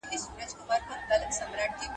هم په غره هم په ځنګلونو کي غښتلی ,